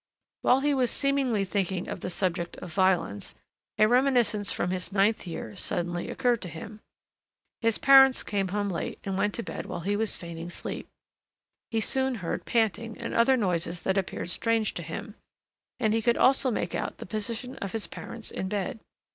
While he was seemingly thinking of the subject of violence, a reminiscence from his ninth year suddenly occurred to him. His parents came home late and went to bed while he was feigning sleep. He soon heard panting and other noises that appeared strange to him, and he could also make out the position of his parents in bed.